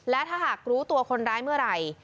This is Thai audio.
และถ้าหากรู้ตัวคนร้ายเมื่อไหร่